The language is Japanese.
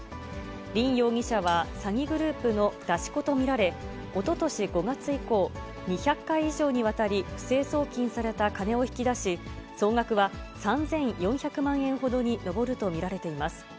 林容疑者は、詐欺グループの出し子と見られ、おととし５月以降、２００回以上にわたり、不正送金された金を引き出し、総額は３４００万円ほどに上ると見られています。